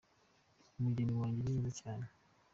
Umugeni wajye ni mwiza cyane.